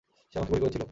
সে আমাকে গুলি করেছিল!